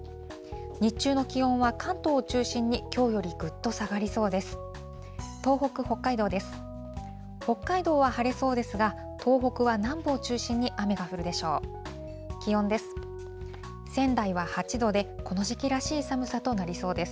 日中の気温は関東中心に、きょうよりぐっと下がりそうです。